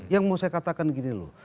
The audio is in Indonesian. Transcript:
yang mau saya katakan gini loh